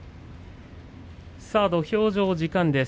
土俵上時間です。